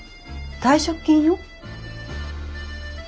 退職金よ。